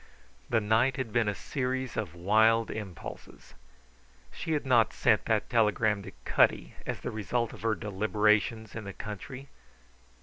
The night had been a series of wild impulses. She had not sent that telegram to Cutty as the result of her deliberations in the country.